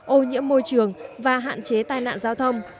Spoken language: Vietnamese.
ô nhiễm môi trường và hạn chế tai nạn giao thông